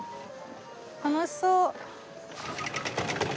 楽しそう。